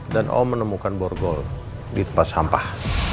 dan om menemukan borgol di tempat sampah